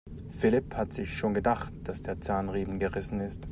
Philipp hatte sich schon gedacht, dass der Zahnriemen gerissen ist.